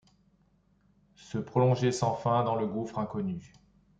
Se prolonger sans fin dans le gouffre inconnu, .